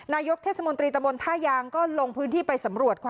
นายกเทศมนตรีตะบนท่ายางก็ลงพื้นที่ไปสำรวจค่ะ